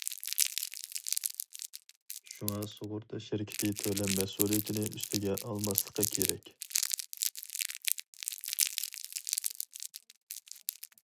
شۇڭا سۇغۇرتا شىركىتى تۆلەم مەسئۇلىيىتىنى ئۈستىگە ئالماسلىقى كېرەك.